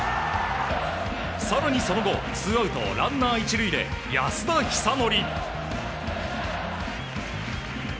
更にその後ツーアウトランナー１塁で安田尚憲。